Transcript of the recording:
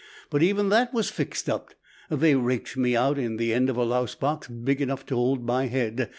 But even that was fixed up. They raked me out in the end a lousebox big enough to hold my head.